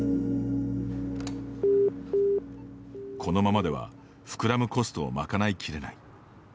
このままでは膨らむコストを賄いきれない。